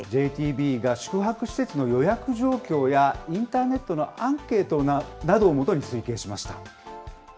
ＪＴＢが宿泊施設の予約状況や、インターネットのアンケートなどを基に推計しました。